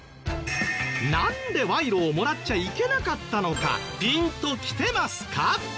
なんで賄賂をもらっちゃいけなかったのかピンときてますか？